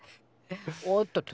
おっとと。